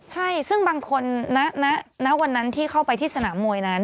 ใช่ซึ่งบางคนณวันนั้นที่เข้าไปที่สนามมวยนั้น